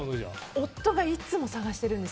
夫がいつも探してるんです。